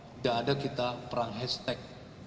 tidak ada kita perang hashtag